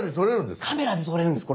カメラで撮れるんです。